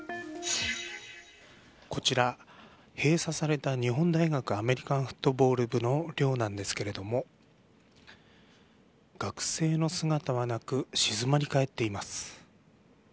こちら、閉鎖された日本大学アメリカンフットボール部の寮なんですけれども学生の姿はなく静まり返っています。